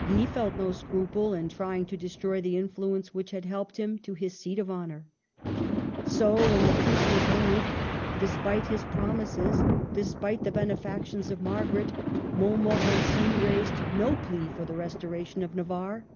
He felt no scruple in trying to destroy the influence which had helped him to his seat of honor. So, when the peace was made, despite his promises, despite the benefactions of Margaret, CHANGES. 175 Montmorency raised no plea for the restoration of Navarre.